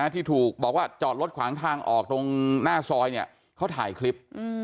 ที่ถูกบอกว่าจอดรถขวางทางออกตรงหน้าซอยเนี่ยเขาถ่ายคลิป